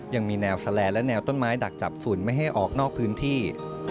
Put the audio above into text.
ยังมีแนวแสลและแนวต้นไม้ดักจับฝุ่นไม่ให้ออกนอกพื้นที่